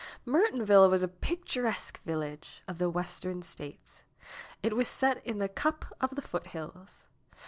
Mertonville was a picturesque village of the Western States. It was set in the cup of the foothills.